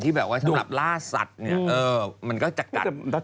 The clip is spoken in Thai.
แบบว่าสำหรับล่าสัตว์เนี่ยมันก็จะกัด